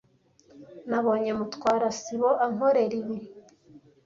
Nabonye Mutwara sibo ankorera ibi.